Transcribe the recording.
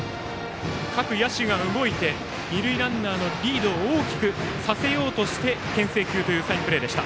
各野手が動いて二塁ランナーのリードを大きくさせようとしてけん制球というサインプレーでした。